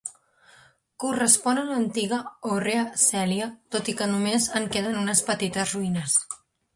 Correspon a l'antiga "Horrea Coelia", tot i que només en queden unes petites ruïnes.